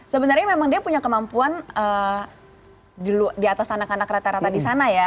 sebenarnya memang dia punya kemampuan di atas anak anak rata rata di sana ya